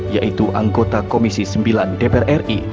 yaitu anggota komisi sembilan dpr ri